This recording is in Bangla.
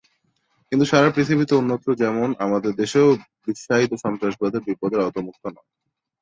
কিন্তু সারা পৃথিবীতে অন্যত্র যেমন, আমাদের দেশও বিশ্বায়িত সন্ত্রাসবাদের বিপদের আওতামুক্ত নয়।